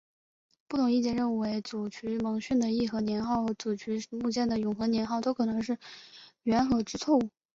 不同意见认为沮渠蒙逊的义和年号和沮渠牧犍的永和年号都可能是缘禾之错误。